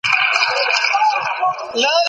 ژبپوهنه او ګرامر هم باید د څېړني برخه وګرځي.